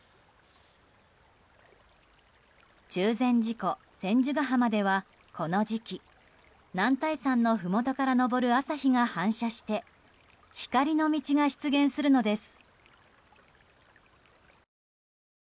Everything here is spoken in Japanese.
中禅寺湖千手ヶ浜ではこの時期男体山のふもとから昇る朝日が反射して光の道が出現するのです。